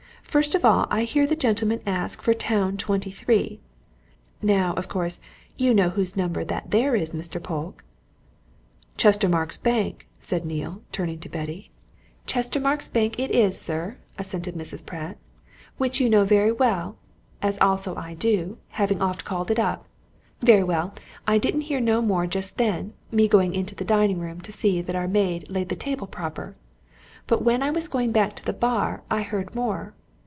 First of all I hear the gentleman ask for 'Town 23.' Now, of course, you know whose number that there is, Mr. Polke." "Chestermarke's Bank," said Neale, turning to Betty. "Chestermarke's Bank it is, sir," assented Mrs. Pratt. "Which you know very well, as also do I, having oft called it up. Very well I didn't hear no more just then, me going into the dining room to see that our maid laid the table proper. But when I was going back to the bar, I heard more.